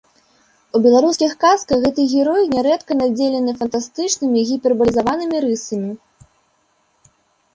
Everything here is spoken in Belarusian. У беларускіх казках гэты герой нярэдка надзелены фантастычнымі гіпербалізаванымі рысамі.